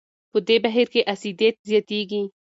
په دې بهیر کې اسیدیت زیاتېږي.